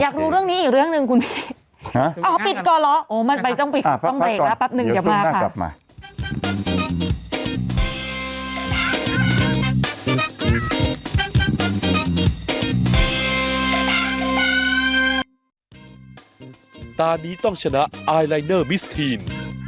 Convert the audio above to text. อยากรู้เรื่องนี้อีกเรื่องหนึ่งคุณพีชเอาเขาปิดก่อนแล้วมันไปต้องไปอีกแล้วปั๊บหนึ่งเดี๋ยวมาค่ะพี่พีชตอนนี้ต้องชนะไอไลน์เนอร์มิสทีน